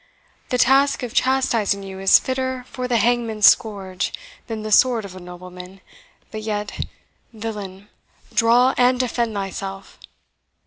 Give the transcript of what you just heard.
The task of chastising you is fitter for the hangman's scourge than the sword of a nobleman, but yet Villain, draw and defend thyself!"